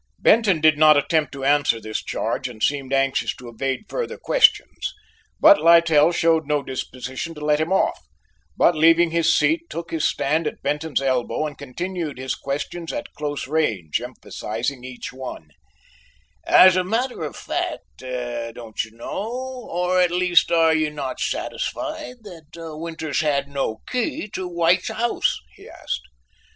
Benton did not attempt to answer this charge and seemed anxious to evade further questions, but Littell showed no disposition to let him off, but leaving his seat took his stand at Benton's elbow and continued his questions at close range, emphasizing each one: "As a matter of fact, don't you know, or at least are you not satisfied, that Winters had no key to White's house?" he asked.